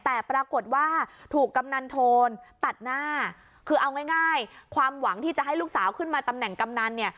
แต่ปรากฏว่าถูกกำนันโทนตัดหน้าคือเอาง่ายความหวังที่จะให้ลูกสาวขึ้นมาตำแหน่งกำนันเนี่ย